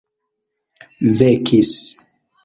vekis